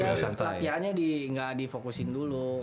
iya latihannya enggak difokusin dulu